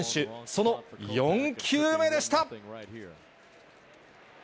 その４球目でした。